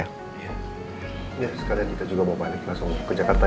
iya sekalian kita juga mau balik langsung ke jakarta ya